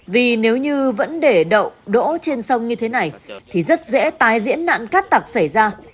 vì nếu như vấn đề đậu đỗ trên sông như thế này thì rất dễ tái diễn nạn cát tạc xảy ra